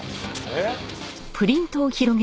えっ？